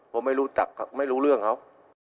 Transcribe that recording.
ผมไม่รู้จักไม่รู้เรื่องเขา